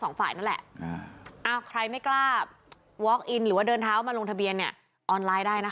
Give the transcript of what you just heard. จากนี้เนี้ยก็จะบรรทิวข้อมูลอย่างละเอียดเร่มต้องให้รูปนี่